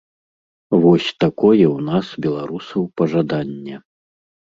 Вось такое ў нас, беларусаў, пажаданне.